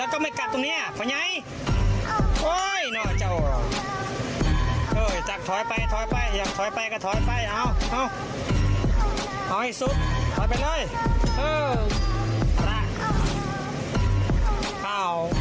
เขาเสียก็ไม่บอกเนอะพระยายเจ้าเนอะ